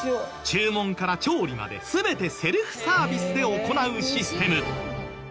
注文から調理まで全てセルフサービスで行うシステム。